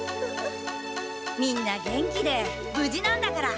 みんな元気でぶじなんだから。